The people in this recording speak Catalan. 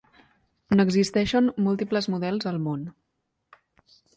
N'existeixen múltiples models al món.